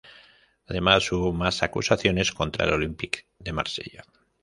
Además, hubo más acusaciones contra el Olympique de Marsella.